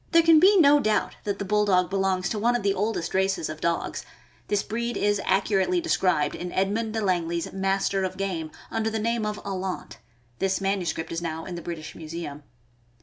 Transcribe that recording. can be no doubt that the Bulldog belongs to one of the oldest races of dogs. This breed is accu rately described in Edmond De Langley' s ' c Mayster of Game," under the name of " Alaunt." This manuscript is now in the British Museum.